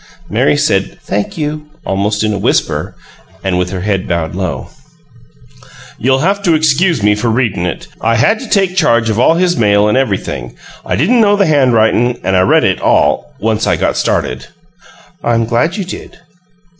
Mary said, "Thank you," almost in a whisper, and with her head bowed low. "You'll have to excuse me for readin' it. I had to take charge of all his mail and everything; I didn't know the handwritin', and I read it all once I got started." "I'm glad you did."